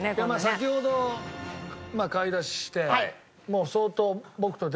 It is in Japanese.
先ほど買い出ししてもう相当。